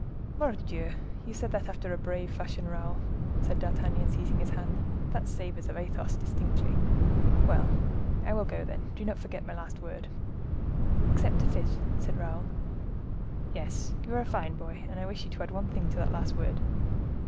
"Mordioux! You said that after a brave fashion, Raoul," said D'Artagnan, seizing his hand; "that savors of Athos, distinctly. Well, I will go, then. Do not forget my last word." "Except a fifth," said Raoul. "Yes, you are a fine boy! and I wish you to add one thing to that last word."